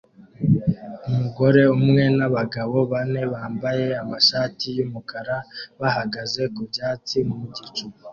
Umugore umwe nabagabo bane bambaye amashati yumukara bahagaze ku byatsi mu gicucu